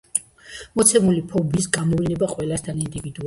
მოცემული ფობიის გამოვლინება ყველასთან ინდივიდუალურია.